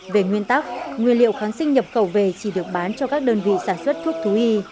về nguyên tắc nguyên liệu kháng sinh nhập khẩu về chỉ được bán cho các đơn vị sản xuất thuốc thú y